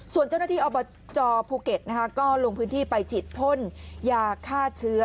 ส่วนเจ้าหน้าที่อบจภูเก็ตก็ลงพื้นที่ไปฉีดพ่นยาฆ่าเชื้อ